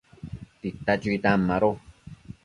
tita chuitan mado